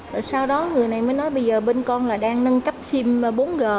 rồi sau đó người này mới nói bây giờ bên con là đang nâng cấp sim bốn g